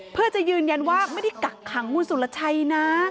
เพื่อจะยืนยันว่าไม่ได้กักขังคุณสุรชัยนะ